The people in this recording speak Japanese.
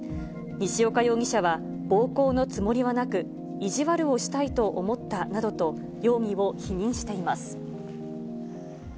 西岡容疑者は暴行のつもりはなく、意地悪をしたいと思ったなどと、容疑を否認しています。